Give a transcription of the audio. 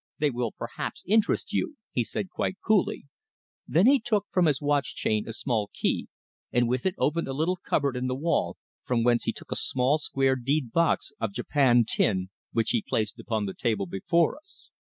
They will, perhaps, interest you," he said quite coolly. Then he took from his watch chain a small key, and with it opened a little cupboard in the wall, from whence he took a small, square deed box of japanned tin, which he placed upon the table before us.